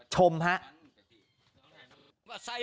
ชมฮะ